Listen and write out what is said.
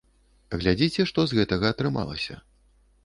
Глядзіце, што з гэтага атрымалася.